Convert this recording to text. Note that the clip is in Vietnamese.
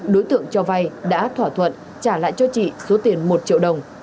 đối tượng cho vay đã thỏa thuận trả lại cho chị số tiền một triệu đồng